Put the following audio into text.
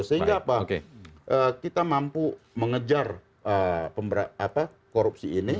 sehingga apa kita mampu mengejar korupsi ini